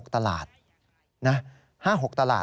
๕๖ตลาดนะ๕๖ตลาด